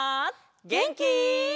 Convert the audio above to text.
げんき？